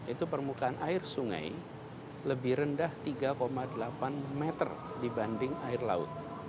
itu permukaan air sungai lebih rendah tiga delapan meter dibanding air laut